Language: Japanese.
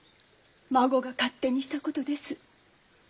孫が勝手にしたことです。